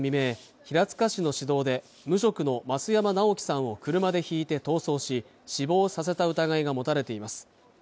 平塚市の市道で無職の増山直樹さんを車でひいて逃走し死亡させた疑いが持たれています